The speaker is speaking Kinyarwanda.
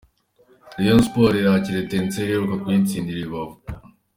Rayon Sports irakira Etincelles iheruka kuyitsindira i Rubavu.